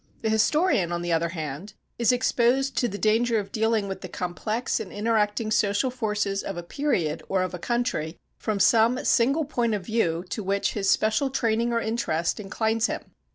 The historian, on the other hand, is exposed to the danger of dealing with the complex and interacting social forces of a period or of a country, from some single point of view to which his special training or interest inclines him.